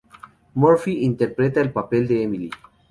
Murphy interpreta el papel de Emily.